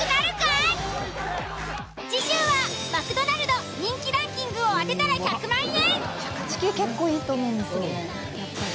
次週は「マクドナルド」人気ランキングを当てたら１００万円。